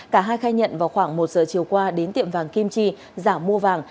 cả hai khai nhận vào khoảng một giờ chiều qua đến tiệm vàng kim chi giả mua vàng